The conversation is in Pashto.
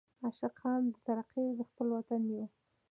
عاشقان د ترقۍ د خپل وطن یو.